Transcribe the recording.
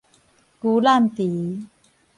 牛湳池